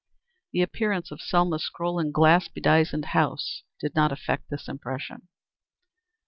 The appearance of Selma's scroll and glass bedizened house did not affect this impression.